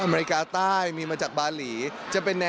โดมเนี้ยบอกเลยว่าโอ้โห